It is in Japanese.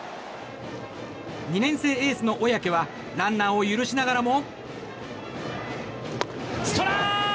２年生エースの小宅はランナーを許しながらも。